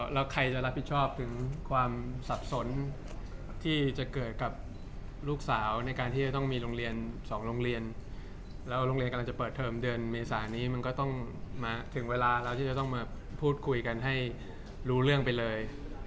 แล้วใครจะรับผิดชอบถึงความสับสนที่จะเกิดกับลูกสาวในการที่จะต้องมีโรงเรียน๒โรงเรียนแล้วโรงเรียนกำลังจะเปิดเทอมเดือนเมษานี้มันก็ต้องมาถึงเวลาเราที่จะต้องมาพูดคุยกันให้รู้เรื่องไปเลย